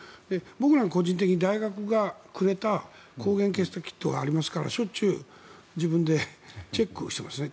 僕は、個人的に大学がくれた抗原検査キットがありますからしょっちゅう自分でチェックをしていますね。